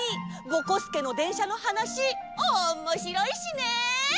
ぼこすけのでんしゃのはなしおもしろいしね。